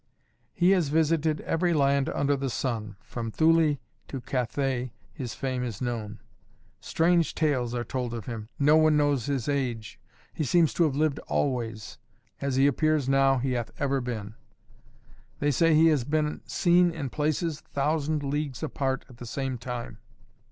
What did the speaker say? "He has visited every land under the sun. From Thulé to Cathay his fame is known. Strange tales are told of him. No one knows his age. He seems to have lived always. As he appears now he hath ever been. They say he has been seen in places thousand leagues apart at the same time.